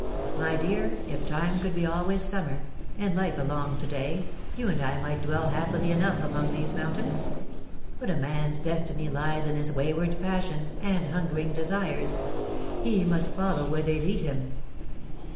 My dear, if time could be always summer, and life a long to day, you and I might dwell happily enough among these mountains; but a man's destiny lies in his wayward passions and hungering desires — he must follow where they lead him.'